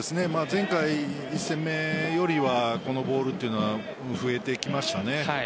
前回、１戦目よりはこのボールは増えてきましたね。